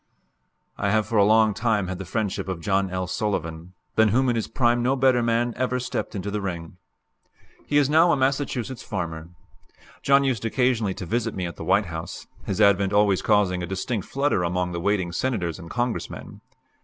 I have for a long time had the friendship of John L. Sullivan, than whom in his prime no better man ever stepped into the ring. He is now a Massachusetts farmer. John used occasionally to visit me at the White House, his advent always causing a distinct flutter among the waiting Senators and Congressmen.